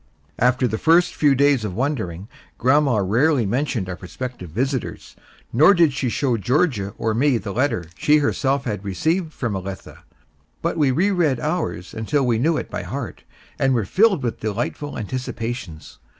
After the first few days of wondering, grandma rarely mentioned our prospective visitors, nor did she show Georgia or me the letter she herself had received from Elitha, but we re read ours until we knew it by heart, and were filled with delightful anticipations.